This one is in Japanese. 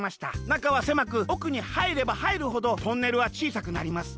なかはせまくおくにはいればはいるほどトンネルはちいさくなります。